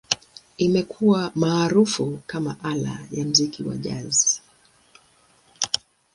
Imekuwa maarufu kama ala ya muziki wa Jazz.